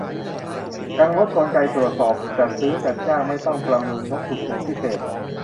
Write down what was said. ยังลดกลไกตรวจสอบ จัดซื้อจัดจ้างไม่ต้องประมูล งบฉุกเฉินพิเศษ